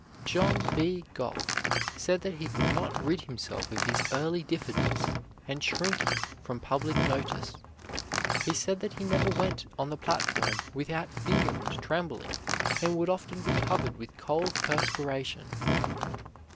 John B. Gough said that he could not rid himself of his early diffidence and shrinking from public notice. He said that he never went on the platform without fear and trembling, and would often be covered with cold perspiration.